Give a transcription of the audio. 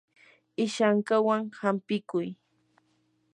ishankawan hampikuy.